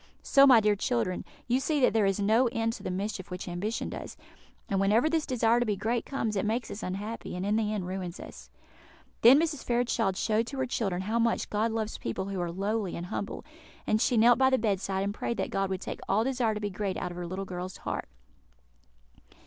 So, my dear children, you see that there is no end to the mischief which ambition does; and whenever this desire to be great comes, it makes us unhappy, and in the end ruins us." Then Mrs. Fairchild showed to her children how much God loves people who are lowly and humble; and she knelt by the bedside and prayed that God would take all desire to be great out of her dear little girls' hearts.